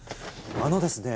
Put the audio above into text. あのですね